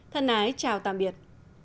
thân ái chào tạm biệt